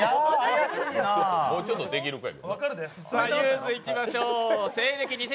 もうちょっとできる子や。